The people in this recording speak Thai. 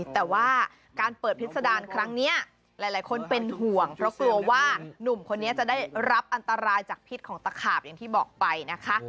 แต่ว่าการเปิดพิษดารครั้งนี้หลายคนเป็นห่วงเพราะกลัวว่าหนุ่มคนนี้จะได้รับอันตรายจากพิษของตะขาบอย่างที่บอกไปนะคะ